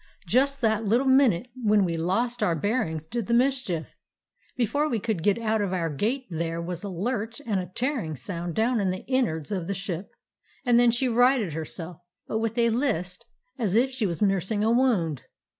"Just that little minute when we lost our bearings did the mischief. Before we could get out of our gait there was a lurch and a tearing sound down in the 'innards' of the ship, and then she righted herself, but with a list as 226 A CALIFORNIA SEA DOG if she was nursing a wound.